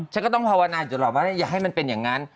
ฉันก็ต้องภาวนาอยู่หรอกว่าอย่าให้มันเป็นอย่างนั้น